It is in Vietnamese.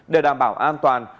để đảm bảo an toàn